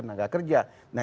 ini sudah mencapai satu juta